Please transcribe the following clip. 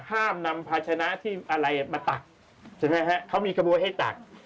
ห้ามนำภาชนะที่อะไรมาตักเขามีกระบวนให้ตัก